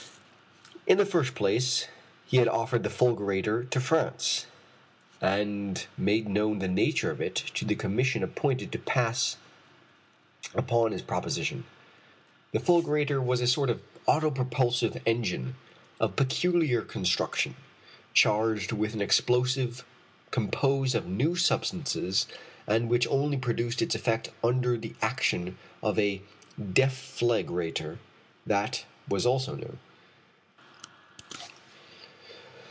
In the first place he had offered the fulgurator to France, and made known the nature of it to the commission appointed to pass upon his proposition. The fulgurator was a sort of auto propulsive engine, of peculiar construction, charged with an explosive composed of new substances and which only produced its effect under the action of a deflagrator that was also new.